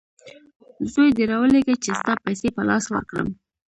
زوی دي راولېږه چې ستا پیسې په لاس ورکړم!